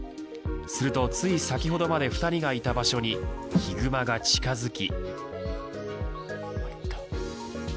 すると、つい先ほどまで２人がいた場所にヒグマが近づき。